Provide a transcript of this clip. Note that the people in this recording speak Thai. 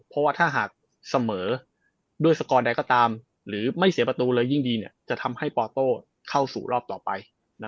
เพราะว่าถ้าหากเสมอด้วยสกอร์ใดก็ตามหรือไม่เสียประตูเลยยิ่งดีจะทำให้ปอโต้เข้าสู่รอบต่อไป